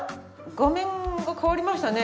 画面が変わりましたね。